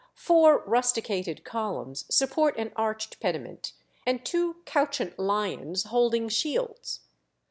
Four rusticated columns support an arched pediment and two couchant lions holding shields.